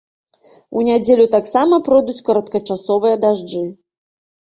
У нядзелю таксама пройдуць кароткачасовыя дажджы.